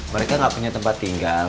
mereka nggak punya tempat tinggal